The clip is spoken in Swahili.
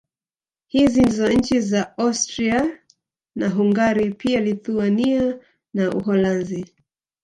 Hizi ndizo nchi za Austria na Hungari pia Lithuania na Uholanzi